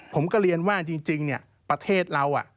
ผมก็เรียนว่าจริงประเทศเรา